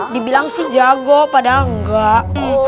dibilang sih jago padahal enggak